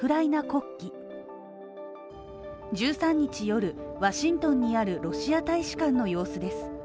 国旗１３日夜、ワシントンにあるロシア大使館の様子です。